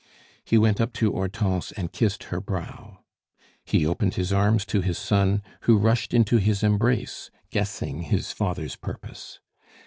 He went up to Hortense and kissed her brow. He opened his arms to his son, who rushed into his embrace, guessing his father's purpose.